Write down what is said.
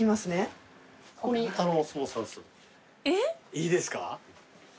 いいですか？